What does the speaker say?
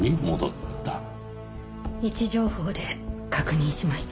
位置情報で確認しました。